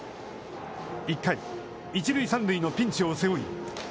１回、一塁三塁のピンチを背負い